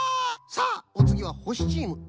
さあおつぎはほしチーム。